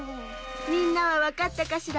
みんなはわかったかしら？